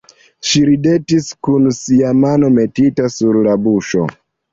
Ŝi ridetis kun sia mano metita sur la buŝo.